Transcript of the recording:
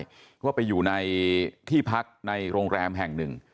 เพราะว่าไปอยู่ในที่พักในโรงแรมแห่งหนึ่ง